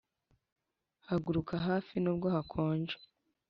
"haguruka hafi nubwo hakonje."